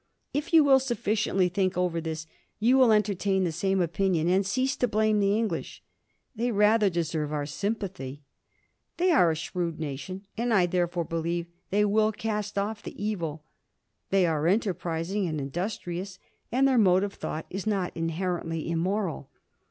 If you will sufficiently think over this, you will entertain the same opinion, and cease to blame the English. They rather deserve our sympathy. They are a shrewd nation and I therefore believe that they will cast off the evil. They are enterprising and industrious and their mode of thought is not inherently immoral.